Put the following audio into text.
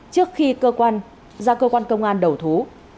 trước khi cơ quan ra cơ quan công an đầu thú